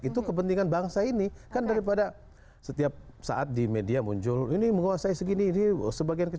itu kepentingan bangsa ini kan daripada setiap saat di media muncul ini menguasai segini ini sebagian kecil